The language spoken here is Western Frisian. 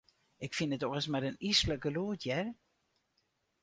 Ik fyn it oars mar in yslik gelûd, hear.